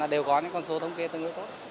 đều có con số thông tin tương đối tốt